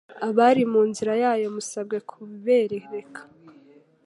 Abari munzira yayo musabwe kuberereka